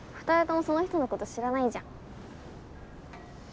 ２人ともその人のこと知らないじゃん。